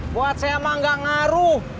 buat saya emang gak ngaruh